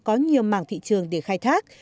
có nhiều mảng thị trường để khai thác